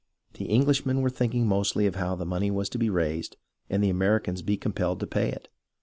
The Englishmen were thinking mostly of how the money was to be raised and the Americans be compelled to pay it.